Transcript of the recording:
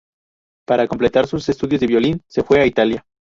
Para completar sus estudios de violín se fue a Italia.